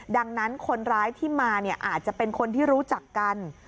ดังนั้นคนร้ายที่มาเนี่ยอาจจะเป็นคนที่รู้จักกัน